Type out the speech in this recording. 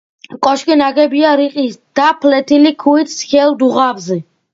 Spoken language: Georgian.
კოშკი ნაგებია რიყის და ფლეთილი ქვით სქელ დუღაბზე.